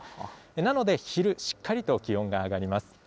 なので、昼、しっかりと気温が上がります。